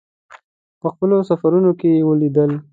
په خپلو سفرونو کې یې ولیدل.